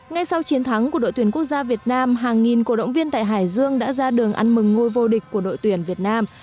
ngay sau chiến thắng của đội tuyển quốc gia việt nam hàng nghìn cổ động viên tại hải dương đã ra đường ăn mừng ngôi vô địch của đội tuyển việt nam